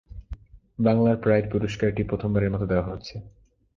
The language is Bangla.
বাংলার প্রাইড পুরস্কারটি প্রথমবারের মতো দেওয়া হচ্ছে।